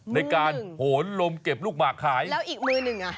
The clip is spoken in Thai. ในการโหนลมเก็บลูกหมากขายแล้วอีกมือหนึ่งอ่ะ